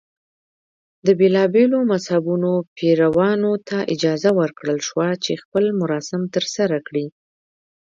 د بېلابېلو مذهبونو پیروانو ته اجازه ورکړل شوه چې خپل مراسم ترسره کړي.